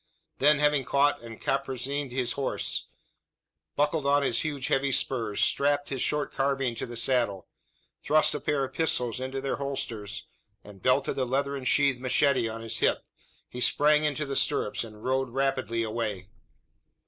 Then having caught and caparisoned his horse, buckled on his huge heavy spurs, strapped his short carbine to the saddle, thrust a pair of pistols into their holsters, and belted the leathern sheathed machete on his hip, he sprang into the stirrups, and rode rapidly away.